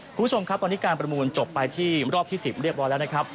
คุณผู้ชมครับตอนนี้การประมูลจบไปที่รอบที่๑๐เรียบร้อยแล้วนะครับ